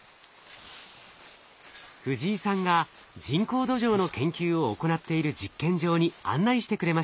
藤井さんが人工土壌の研究を行っている実験場に案内してくれました。